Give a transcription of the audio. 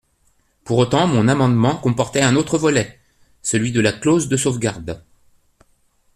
Pour autant, mon amendement comportait un autre volet, celui de la clause de sauvegarde.